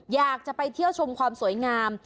อยากจะไปเที่ยวชมความสวยงาม